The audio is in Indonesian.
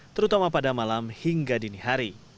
terutama pada malam hingga dini hari